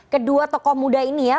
kedua tokoh muda ini ya